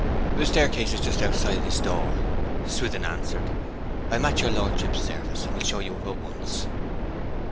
'The staircase is just outside this door,' Swithin answered. 'I am at your lordship's service, and will show you up at once.'